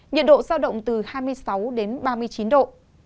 nhiệt độ giao động từ hai mươi sáu đến ba mươi chín độ